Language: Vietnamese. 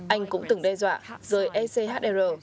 anh cũng từng đe dọa rời echr